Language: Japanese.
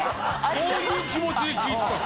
どういう気持ちで聞いてたの？